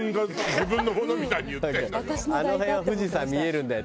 あの辺は富士山見えるんだよ